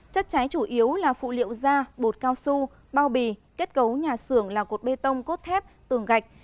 chất cháy chủ yếu là phụ liệu da bột cao su bao bì kết cấu nhà xưởng là cột bê tông cốt thép tường gạch